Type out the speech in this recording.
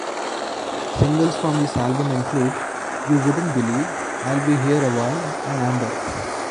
Singles from this album include "You Wouldn't Believe", "I'll Be Here Awhile", and "Amber".